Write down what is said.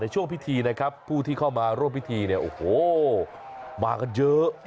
ช่วงพิธีนะครับผู้ที่เข้ามาร่วมพิธีเนี่ยโอ้โหมากันเยอะ